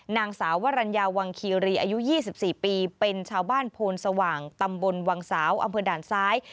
นางสาววรรณญาวังคีรีอายุ๒๔ปีเป็นชาวบ้านโพนสว่างตำบลวังสาวอำเภอด่านซ้าย